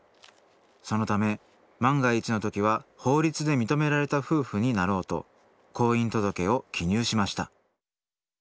そのため万が一の時は法律で認められた夫婦になろうと婚姻届を記入しました。